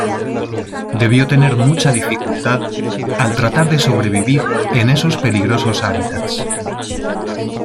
Debió tener mucha dificultad al tratar de sobrevivir en esos peligrosos hábitats.